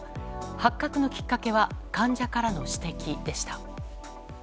発覚のきっかけは患者からの指摘でした。